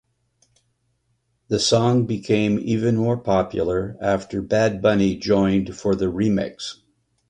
The song became even more popular after Bad Bunny joined for the remix.